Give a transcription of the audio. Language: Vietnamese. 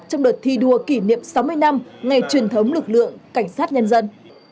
trong đợt thi đua kỷ niệm sáu mươi năm ngày truyền thống lực lượng cảnh sát nhân dân